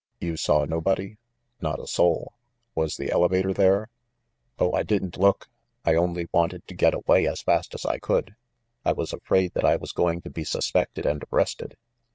"You saw nobody?" "Not a soul." "Was the elevator there?" "Oh, I didn't look! I only wanted to get away as fast as I could. I was afraid that I was going to be suspected and arrested.